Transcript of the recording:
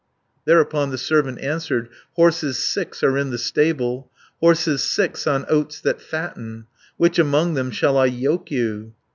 Thereupon the servant answered, "Horses six are in the stable, Horses six, on oats that fatten; Which among them shall I yoke you?"